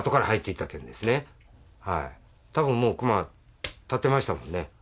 多分もう久間は立ってましたもんね。